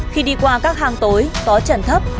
khi đi qua các hang tối có trần thấp